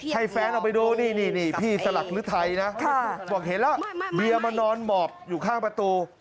ให้แฟนออกไปดูนี่พี่สลักฤทัยนะบอกเห็นแล้วเมียมานอนหมอบอยู่ข้างประตู